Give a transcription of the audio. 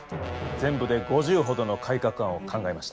全部で５０ほどの改革案を考えました。